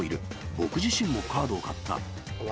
僕自身もカードを買った。